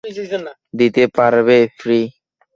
দিতে পারবে ফি?